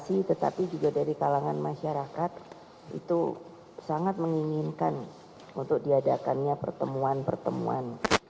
itu sangat menginginkan untuk diadakannya pertemuan pertemuan